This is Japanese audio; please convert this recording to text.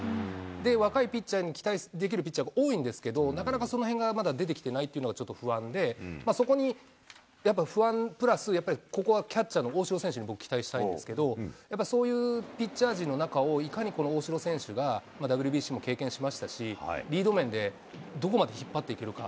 で、若いピッチャーに期待できるピッチャーが多いんですけど、なかなかそのへんがまだ出てきてないというのが不安で、そこにやっぱ不安プラス、やっぱりここはキャッチャーの大城選手に僕、期待したいんですけど、やっぱそういうピッチャー陣の中をいかにこの大城選手がＷＢＣも経験しましたし、リード面でどこまで引っ張っていけるか。